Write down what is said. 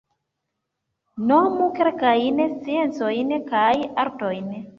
Nomu kelkajn sciencojn kaj artojn.